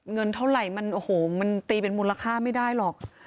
เงินเท่าไหร่มันตีเป็นมูลค่าไม่ได้หรอก